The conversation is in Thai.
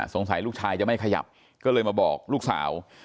สงสัยลูกชายจะไม่ขยับก็เลยมาบอกลูกสาว